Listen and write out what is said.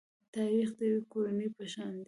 تاریخ د یوې کورنۍ په شان دی.